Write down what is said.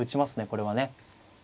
これはね。